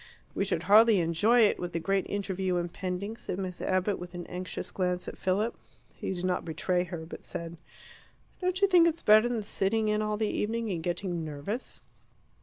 "We should hardly enjoy it, with the great interview impending," said Miss Abbott, with an anxious glance at Philip. He did not betray her, but said, "Don't you think it's better than sitting in all the evening and getting nervous?"